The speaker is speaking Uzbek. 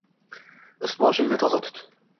Ust-boshingni toza tut.